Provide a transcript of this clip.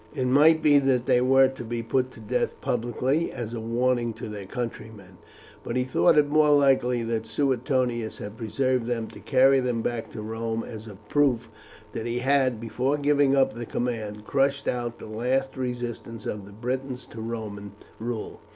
It might be that they were to be put to death publicly, as a warning to their countrymen; but he thought it more likely that Suetonius had preserved them to carry them back to Rome as a proof that he had, before giving up the command, crushed out the last resistance of the Britons to Roman rule.